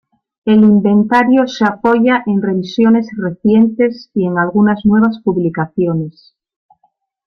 El inventario se apoya en revisiones recientes y en algunas nuevas publicaciones.